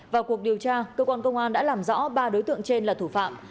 vào cuộc điều tra cơ quan công an đã làm rõ ba đối tượng trên là thủ phạm